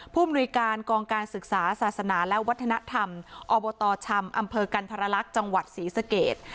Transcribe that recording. ผู้มนุยการกองการศึกษาศาสนาและวัฒนธรรมอชกันทรลักษณ์จังหวัดศรีสเกต